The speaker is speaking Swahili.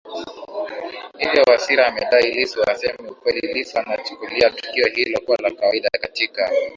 hivyo Wasira amedai Lissu hasemi ukweliLissu analichukulia tukio hilo kuwa la kawaida katika